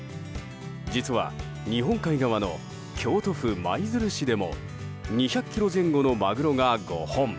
実は日本海側の京都府舞鶴市でも２００ｋｇ前後のマグロが５本。